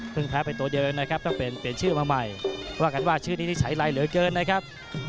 แพ้เป็นตัวเยินนะครับต้องเปลี่ยนเปลี่ยนชื่อมาใหม่ว่ากันว่าชื่อนี้นิสัยไรเหลือเกินนะครับ